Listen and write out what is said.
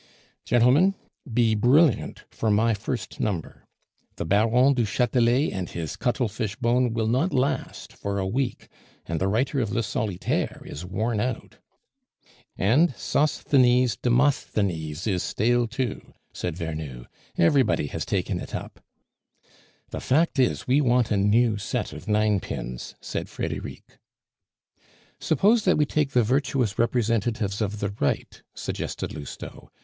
"Gentlemen, be brilliant for my first number. The Baron du Chatelet and his cuttlefish bone will not last for a week, and the writer of Le Solitaire is worn out." "And 'Sosthenes Demosthenes' is stale too," said Vernou; "everybody has taken it up." "The fact is, we want a new set of ninepins," said Frederic. "Suppose that we take the virtuous representatives of the Right?" suggested Lousteau.